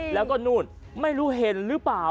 แล้วก็นู่นไม่รู้เห็นหรือเปล่า